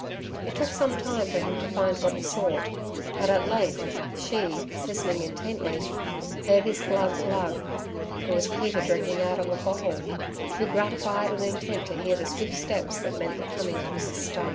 It took some time for him to find what he sought; but at length she, listening intently, heard his glug, glug. It was Peter drinking out of a bottle, too gratified and intent to hear the swift steps that meant the coming of Mrs. Stein.